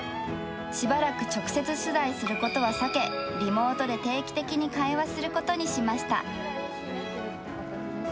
しばらく直接取材することは避け、リモートで定期的に会話することにしました。